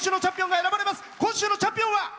今週のチャンピオンは。